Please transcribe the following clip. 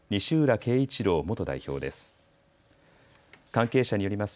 恵一郎元代表です。